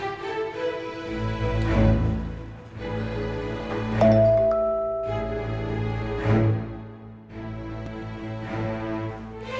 wa aapasya allah